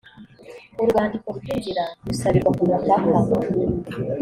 uru rwandiko rw inzira rusabirwa kumupaka